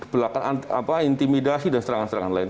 belakang intimidasi dan serangan serangan lain